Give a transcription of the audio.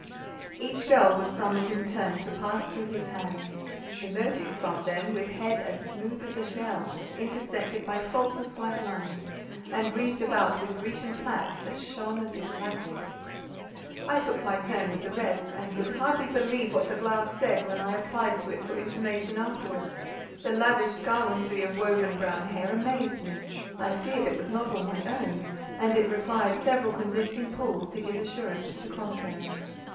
Each girl was summoned in turn to pass through his hands; emerging from them with head as smooth as a shell, intersected by faultless white lines, and wreathed about with Grecian plaits that shone as if lacquered. I took my turn with the rest, and could hardly believe what the glass said when I applied to it for information afterwards; the lavished garlandry of woven brown hair amazed me—I feared it was not all my own, and it required several convincing pulls to give assurance to the contrary.